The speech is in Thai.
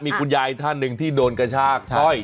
มีคุณยายท่านหนึ่งที่โดนกระชากสร้อย